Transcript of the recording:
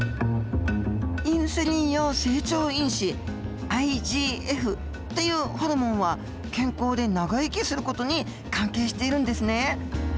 インスリン様成長因子ＩＧＦっていうホルモンは健康で長生きする事に関係しているんですね。